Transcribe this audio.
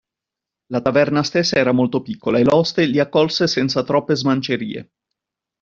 La taverna stessa era molto piccola, e l'oste li accolse senza troppe smancerie.